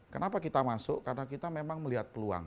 kenapa kita masuk karena kita memang melihat peluang